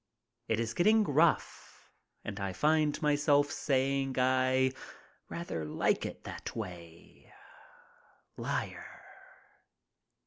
It is getting rough and I find myself saying I rather like it that way. Liar.